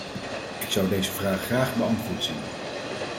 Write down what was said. Ik zou deze vraag graag beantwoord zien.